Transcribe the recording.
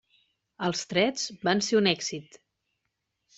Els trets van ser un èxit.